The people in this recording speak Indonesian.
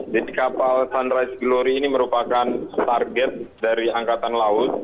jadi kapal sunrise glory ini merupakan target dari angkatan laut